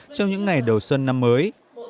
trong những ngày đầu xuân năm mới